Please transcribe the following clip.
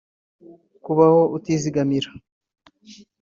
Kubaho utizigamira